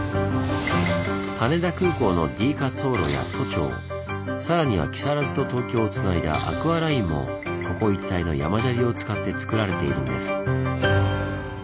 羽田空港のＤ滑走路や都庁更には木更津と東京をつないだアクアラインもここ一帯の山砂利を使ってつくられているんです。